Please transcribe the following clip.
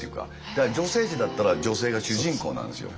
だから女性誌だったら女性が主人公なんですよ。